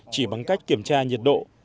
chỉ bằng cách kiểm tra nhiệt độ